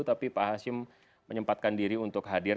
tapi pak hashim menyempatkan diri untuk hadir